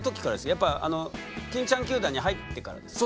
やっぱ欽ちゃん球団に入ってからですか？